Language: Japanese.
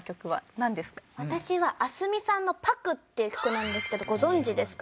私はａｓｍｉさんの『ＰＡＫＵ』っていう曲なんですけどご存じですか？